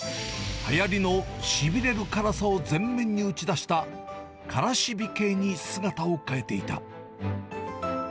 はやりのしびれる辛さを前面に打ち出した、からしび系に姿を変えていた。